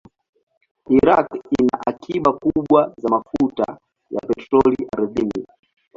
Iraq ina akiba kubwa za mafuta ya petroli ardhini.